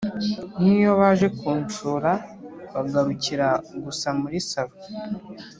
niyo baje kunsurabagarukira gusa muri salon